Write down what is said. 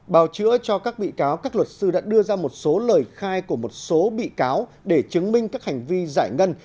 bào chữa cho các bị cáo các luật sư đã đưa ra một số lời khai của một số bị cáo để chứng minh các hành vi giải ngân